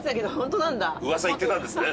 噂いってたんですね。